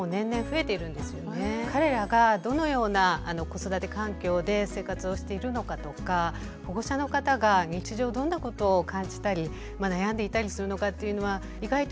彼らがどのような子育て環境で生活をしているのかとか保護者の方が日常どんなことを感じたり悩んでいたりするのかっていうのは意外と